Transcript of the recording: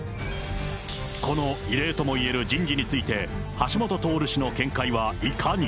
この異例ともいえる人事について橋下徹氏の見解はいかに。